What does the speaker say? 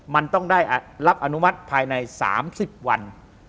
มันต้องได้รับอนุมัติภายใน๓๐วัน